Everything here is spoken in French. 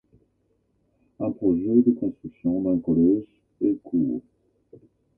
Un projet de construction d'un collège est cours.